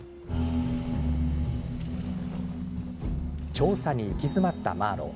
調査に行き詰まったマーロウ。